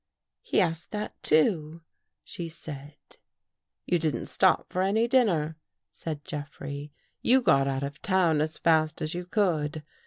" He asked that, too," she said. " You didn't stop for any dinner," said Jeffrey. " You got out of town as fast as you could.